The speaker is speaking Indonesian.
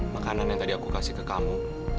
makanan yang tadi aku kasih ke kamu